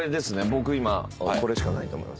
僕今これしかないと思います。